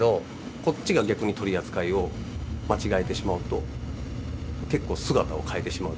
こっちが逆に取り扱いを間違えてしまうと結構姿を変えてしまうというか。